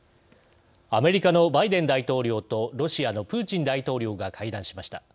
アメリカのバイデン大統領とロシアのプーチン大統領が会談しました。